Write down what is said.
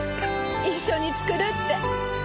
一緒に作るって。